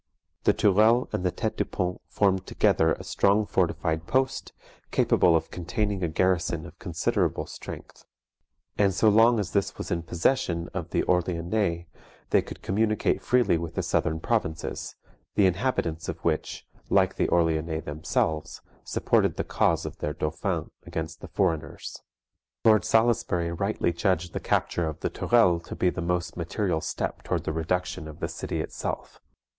The Tourelles and the tete du pont formed together a strong fortified post, capable of containing a garrison of considerable strength; and so long as this was in possession of the Orleannais, they could communicate freely with the southern provinces, the inhabitants of which, like the Orleannais themselves, supported the cause of their Dauphin against the foreigners. Lord Salisbury rightly judged the capture of the Tourelles to be the most material step towards the reduction of the city itself.